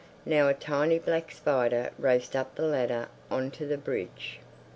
Now a tiny black spider raced up the ladder on to the bridge.